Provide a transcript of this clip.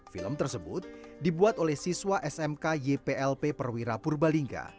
film tersebut dibuat oleh siswa smk yplp perwira purbalingga